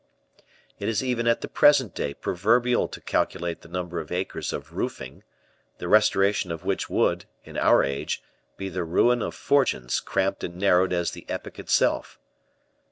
It is even at the present day proverbial to calculate the number of acres of roofing, the restoration of which would, in our age, be the ruin of fortunes cramped and narrowed as the epoch itself.